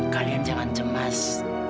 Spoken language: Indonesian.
kalian jangan cemas